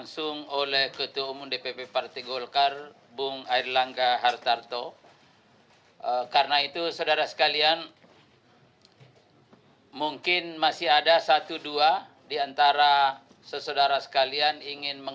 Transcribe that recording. soal penyerahan itu nanti sesudah pelantikan